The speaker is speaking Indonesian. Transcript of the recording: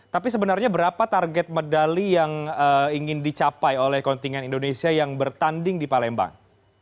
tapi sebenarnya berapa target medali yang ingin dicapai oleh kontingen indonesia yang bertanding di palembang